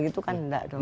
itu kan enggak dong